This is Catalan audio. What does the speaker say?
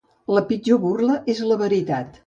La pitjor burla és la veritat.